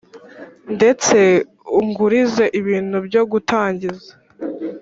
ndetse ungurize ibintu byo gutangiza